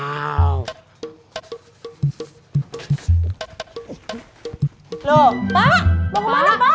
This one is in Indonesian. mau kemana pak